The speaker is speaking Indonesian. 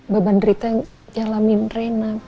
kebenaran yang ada di dalam